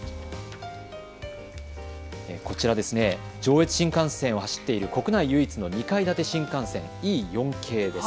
こちら、上越新幹線を走っている国内唯一の２階建て新幹線、Ｅ４系です。